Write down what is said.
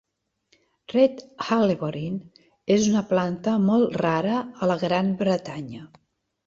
Red Helleborine és una planta molt rara a la Gran Bretanya.